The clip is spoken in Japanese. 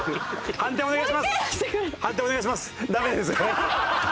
判定お願いします。